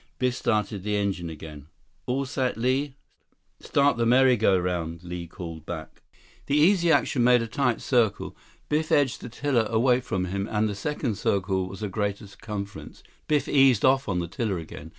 Biff started the engine again. "All set, Li." "Start the merry go round," Li called back. 137 The Easy Action made a tight circle. Biff edged the tiller away from him, and the second circle was of a greater circumference. Biff eased off on the tiller again.